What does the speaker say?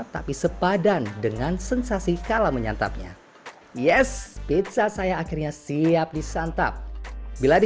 tapi sepadan dengan sensasi kala menyantapnya yes pizza saya akhirnya siap disantap bila di